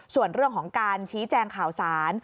ส่วนเรื่องของการชี้แจงข่าวสาร